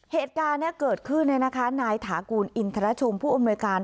เหตุการณ์นี้เกิดขึ้นนายถากูลอินทรชมผู้อำนวยการ